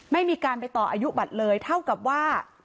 ไม่มีการไปต่ออายุบัตรเลยเท่ากับว่า